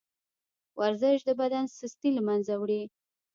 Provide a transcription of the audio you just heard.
ورزش د بدن سستي له منځه وړي.